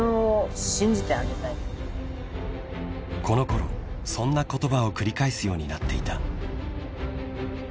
［このころそんな言葉を繰り返すようになっていた］